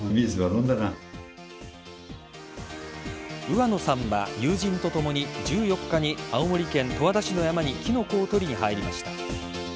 上野さんは友人とともに１４日に青森県十和田市の山にキノコを採りに入りました。